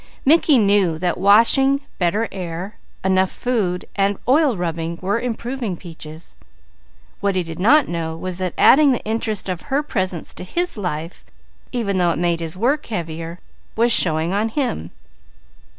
Mickey knew that washing, better air, enough food, and oil rubbing were improving Peaches. What he did not know was that adding the interest of her presence to his life, even though it made his work heavier, was showing on him.